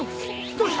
どうした？